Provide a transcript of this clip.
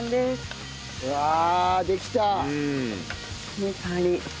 いい香り。